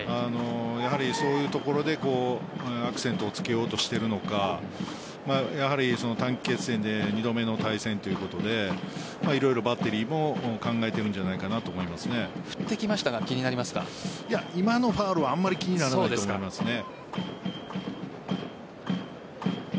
やはりそういうところでアクセントをつけようとしているのかやはり短期決戦で２度目の対戦ということで色々、バッテリーも考えているんじゃないかなと振ってきましたが今のファウルはあまり気にならないと思いますね。